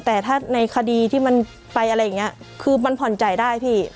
แต่ถ้าในคดีที่มันไปอะไรอย่างนี้คือมันผ่อนจ่ายได้พี่